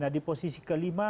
nah di posisi kelima